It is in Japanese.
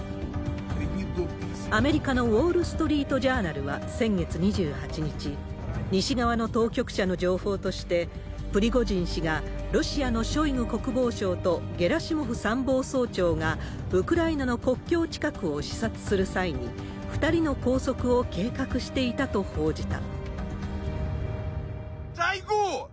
アメリカのウォール・ストリート・ジャーナルは先月２８日、西側の当局者の情報として、プリゴジン氏が、ロシアのショイグ国防相とゲラシモフ参謀総長がウクライナの国境近くを視察する際に、２人の拘束を計画していたと報じた。